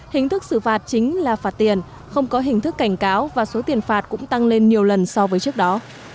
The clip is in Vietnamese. hình thức xử phạt chính là phạt tiền không có hình thức cảnh cáo và số tiền phạt cũng tăng lên nhiều lần so với trước đó